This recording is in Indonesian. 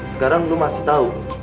sekarang lo masih tau